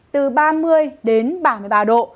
từ ba mươi đến ba mươi ba độ